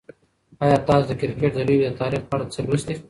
آیا تاسو د کرکټ د لوبې د تاریخ په اړه څه لوستي؟